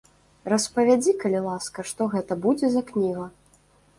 Распавядзі, калі ласка, што гэта будзе за кніга?